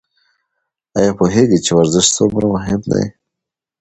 ایا پوهیږئ چې ورزش څومره مهم دی؟